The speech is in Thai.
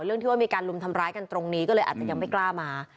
เรื่องที่ว่ามีการลุมทำร้ายกันตรงนี้ก็เลยอาจจะยังไม่กล้ามา